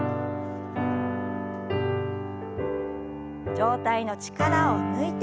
上体の力を抜いて前。